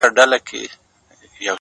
خو ته د هر محفل په ژبه کي هينداره سوې’